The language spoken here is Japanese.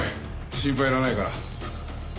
心配いらないから。